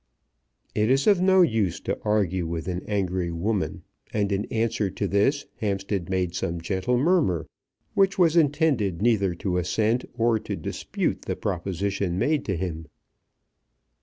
It is of no use to argue with an angry woman, and in answer to this Hampstead made some gentle murmur which was intended neither to assent or to dispute the proposition made to him.